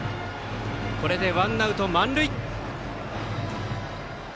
これでワンアウト満塁。